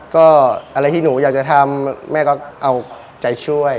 ก็อะไรที่หนูอยากจะทำแม่ก็เอาใจช่วย